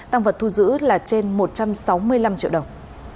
tăng vật thu giữ là trên một trăm sáu mươi năm triệu đồng